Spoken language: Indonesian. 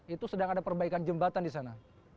itu sedang ada perbaikan jembatan disana